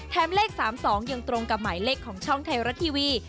เลข๓๒ยังตรงกับหมายเลขของช่องไทยรัฐทีวี